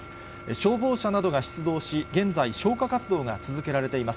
消防車などが出動し、現在、消火活動が続けられています。